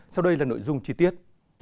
sau đây là nội dung chi tiết